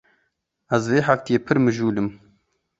Ez vê hefteyê pir mijûl im.